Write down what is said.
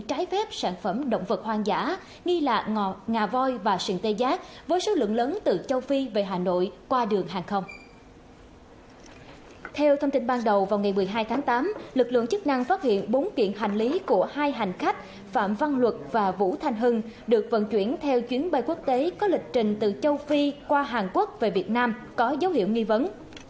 theo thông tin ban đầu vào ngày một mươi hai tháng tám lực lượng chức năng phát hiện bốn kiện hành lý của hai hành khách phạm văn luật và vũ thanh hưng được vận chuyển theo chuyến bay quốc tế có lịch trình từ châu phi qua hàn quốc về việt nam có dấu hiệu nghi vấn